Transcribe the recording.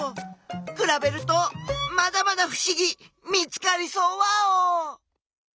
くらべるとまだまだふしぎ見つかりそうワオ！